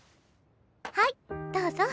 はいどうぞ。